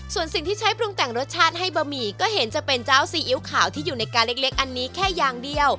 ส่วนสิ่งที่ใช้ปรุงแต่งรสชาติให้บะหมี่ก็เห็นจะเป็นเจ้าซีอิ๊วขาวที่อยู่ในกาเล็กอันนี้แค่ยางเดียว